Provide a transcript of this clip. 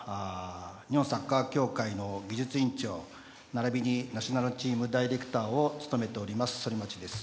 日本サッカー協会の技術委員長並びにナショナルチームダイレクターを務めております、反町です。